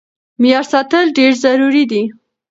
معيار ساتل ډېر ضروري دی.